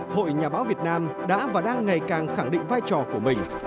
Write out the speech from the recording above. hội nhà báo việt nam đã và đang ngày càng khẳng định vai trò của mình